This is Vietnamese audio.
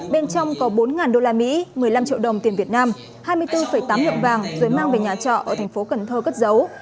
bên trong có bốn usd một mươi năm triệu đồng tiền việt nam hai mươi bốn tám lượng vàng rồi mang về nhà trọ ở thành phố cần thơ cất dấu